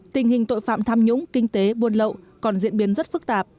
tình hình tội phạm tham nhũng kinh tế buôn lậu còn diễn biến rất phức tạp